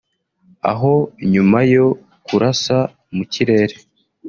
aho nyuma yo kurasa mu kirere